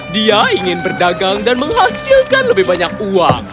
dia ingin berdagang dan menghasilkan lebih banyak uang